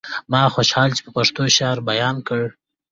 ما خوشحال چې په پښتو شعر بيان کړ.